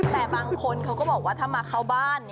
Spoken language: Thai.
แต่บางคนเขาก็บอกว่าถ้ามาเข้าบ้าน